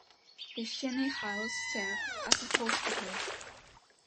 The Chaney house served as a hospital.